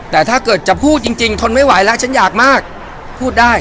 แต่ถ้าเกิดจะพูดจริงทนไม่ไหวแล้วฉันอยากมากพูดได้